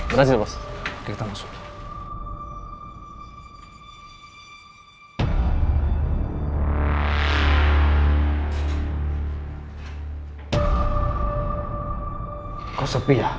terima kasih bos